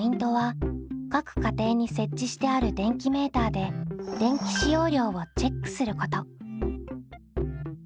各家庭に設置してある電気メーターで電気使用量をチェックすること。